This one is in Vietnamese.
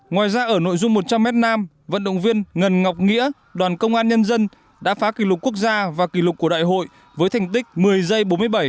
ngoài ra ở nội dung một trăm linh m nam vận động viên ngân ngọc nghĩa đoàn công an nhân dân đã phá kỷ lục quốc gia và kỷ lục của đại hội với thành tích một mươi giây bốn mươi bảy